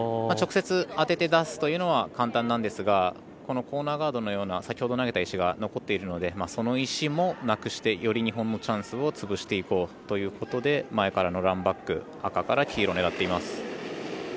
直接当てて出すというのは簡単なんですがコーナーガードのような先ほど、投げた石が残っているのでその石もなくしてより日本のチャンスを潰していこうということで前からのランバック赤から黄色、狙っていきます。